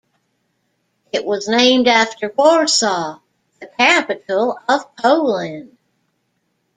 It was named after Warsaw, the capital of Poland.